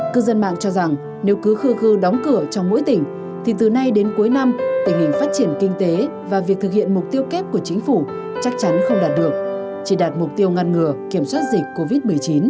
cư dân mạng cho rằng nếu cứ khư đóng cửa trong mỗi tỉnh thì từ nay đến cuối năm tình hình phát triển kinh tế và việc thực hiện mục tiêu kép của chính phủ chắc chắn không đạt được chỉ đạt mục tiêu ngăn ngừa kiểm soát dịch covid một mươi chín